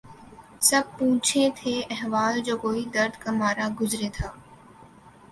سب پوچھیں تھے احوال جو کوئی درد کا مارا گزرے تھا